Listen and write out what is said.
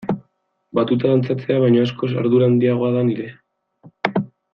Batuta dantzatzea baino askoz ardura handiagoa da nirea.